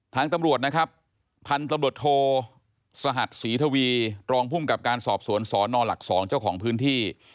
ทางตำรวจนะครับพันธุ์ตำรวจโทสหัสศรีทวีรองภูมิกับการสอบสวนสนหลัก๒เจ้าของพื้นที่